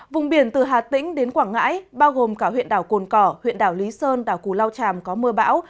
vùng biển từ hà tĩnh đến quảng ngãi bao gồm cả huyện đảo cồn cỏ huyện đảo lý sơn đảo cù lao tràm có mưa bão